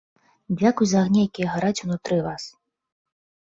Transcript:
Дзякуй за агні, якія гараць унутры вас!